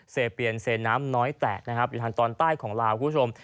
เปียนเซน้ำน้อยแตะนะครับอยู่ทางตอนใต้ของลาวคุณผู้ชม